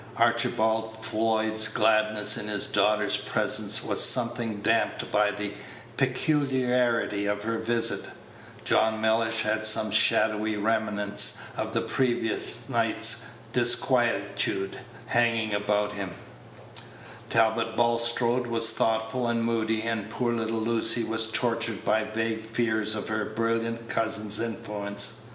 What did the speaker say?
Archibald Floyd's gladness in his daughter's presence was something damped by the peculiarity of her visit; John Mellish had some shadowy remnants of the previous night's disquietude hanging about him; Talbot Bulstrode was thoughtful and moody; and poor little Lucy was tortured by vague fears of her brilliant cousin's influence.